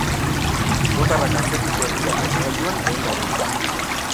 Bilbotarrak atzetik joan dira markagailuan lehen laurdenetik.